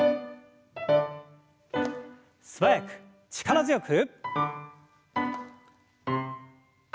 素早く力強く。